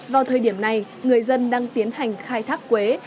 vào thời điểm này người dân đang tiến hành khai thác quế